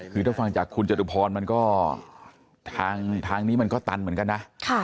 คือถ้าฟังจากคุณจตุพรมันก็ทางนี้มันก็ตันเหมือนกันนะ